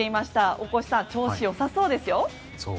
大越さん、調子良さそうですよ。